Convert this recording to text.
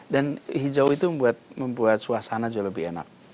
dan hijau itu membuat suasana jauh lebih enak